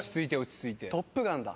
「トップガン」だ。